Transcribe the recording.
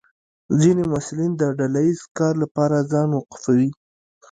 ځینې محصلین د ډله ییز کار لپاره ځان وقفوي.